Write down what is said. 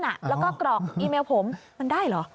แล้วก็กรอกอีเมลผมมันได้เหรอ